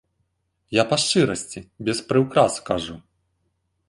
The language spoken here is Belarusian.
Я па шчырасці, без прыўкрас кажу.